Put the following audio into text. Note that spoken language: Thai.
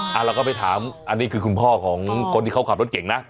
เราก็ไปถามอันนี้คือคุณพ่อของคนที่เขาขับรถเก่งนะ